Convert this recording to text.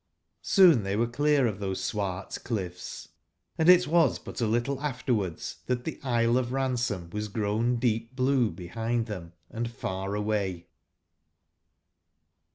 Soon were tbey clear of tbose swart cliffs, & it was but a little afterwards tbat tbe Isle of Ransom was grown deep blue bebind tbem and far away.